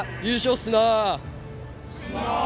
っすなー。